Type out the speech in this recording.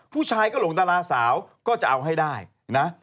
ผู้ชายก็หลงดาราสาวก็จะเอาให้ได้นะ